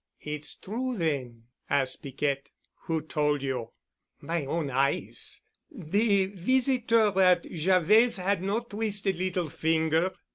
"It's true, then?" asked Piquette. "Who told you?" "My own eyes. The visitor at Javet's had no twisted little finger."